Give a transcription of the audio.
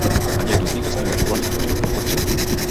Ani jednu z nich nesmíme uvolnit do životního prostředí.